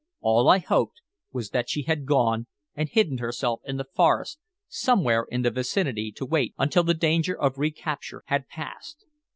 All I hoped was that she had gone and hidden herself in the forest somewhere in the vicinity to wait until the danger of recapture had passed.